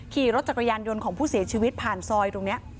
ขี่รถจักรยานยนต์ของผู้เสียชีวิตผ่านซอยตรงนี้